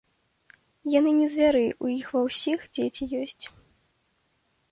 Яны не звяры, у іх ва ўсіх дзеці ёсць.